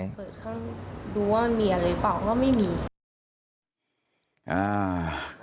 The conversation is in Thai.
เปิดข้างดูว่ามันมีอะไรหรือเปล่าว่าไม่มี